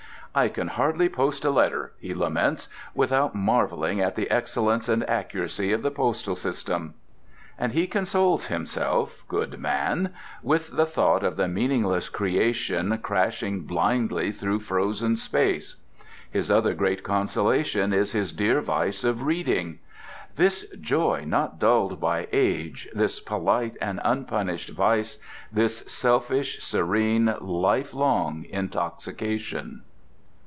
"I can hardly post a letter," he laments, "without marvelling at the excellence and accuracy of the Postal System." And he consoles himself, good man, with the thought of the meaningless creation crashing blindly through frozen space. His other great consolation is his dear vice of reading—"This joy not dulled by Age, this polite and unpunished vice, this selfish, serene, life long intoxication."